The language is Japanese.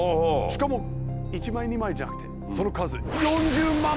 しかも１枚２枚じゃなくてかあ！